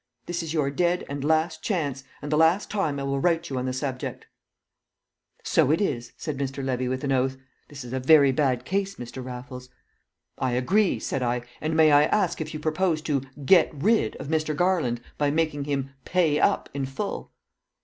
This is your dead and last chance, and the last time I will write you on the subject.'" "So it is," said Levy with an oath. "This is a very bad case, Mr. Raffles." "I agree," said I. "And may I ask if you propose to 'get rid' of Mr. Garland by making him 'pay up' in full?"